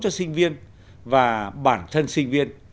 cho sinh viên và bản thân sinh viên